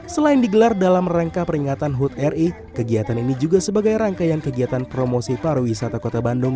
selain digelar dalam rangka peringatan hud ri kegiatan ini juga sebagai rangkaian kegiatan promosi pariwisata kota bandung